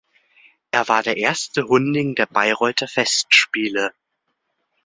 Er war der erste Hunding der Bayreuther Festspiele.